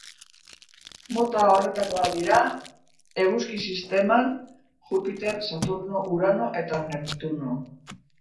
Mota horretakoak dira, Eguzki-sisteman, Jupiter, Saturno, Urano eta Neptuno.